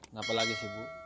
ngapalagi sih bu